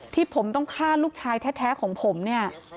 ที่ผมต้องฆ่าลูกชายแท้ของผมเนี่ย